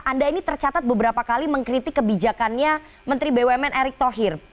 anda ini tercatat beberapa kali mengkritik kebijakannya menteri bumn erick thohir